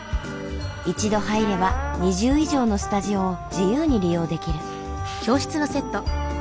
一度入れば２０以上のスタジオを自由に利用できる。